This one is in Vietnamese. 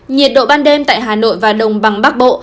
nhiệt độ ban đêm tại hà nội và đồng bằng bắc bộ